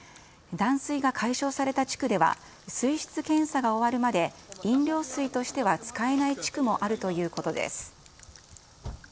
断水が解消された地区では、水質検査が終わるまで飲料水としては使えない地区もあるということです。